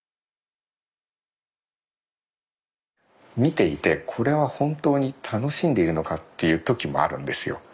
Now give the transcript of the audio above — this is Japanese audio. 見ていてこれは本当に楽しんでいるのかっていう時もあるんですよ。